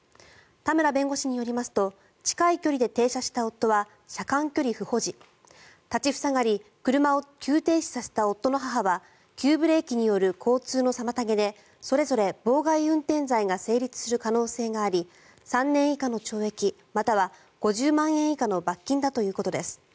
田村弁護士によりますと近い距離で停車した夫は車間距離不保持立ち塞がり車を急停止させた夫の母は急ブレーキによる交通の妨げでそれぞれ、妨害運転罪が成立する可能性があり３年以下の懲役または５０万円以下の罰金だということです。